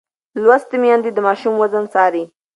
لوستې میندې د ماشوم وزن څاري.